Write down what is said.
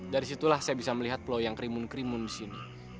dari situlah saya bisa melihat peloyang krimun krimun di sini